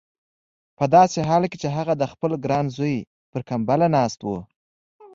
په داسې حال کې چې هغه د خپل ګران زوی پر کمبله ناست و.